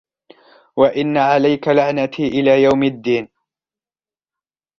وإن عليك لعنتي إلى يوم الدين